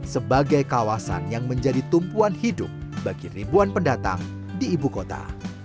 sebagai kawasan yang menjadi tumpuan hidup bagi ribuan pendatang di ibu kota